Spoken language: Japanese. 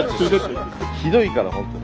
ひどいから本当に。